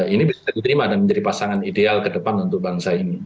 ini bisa diterima dan menjadi pasangan ideal ke depan untuk bangsa ini